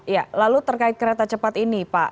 ya lalu terkait kereta cepat ini pak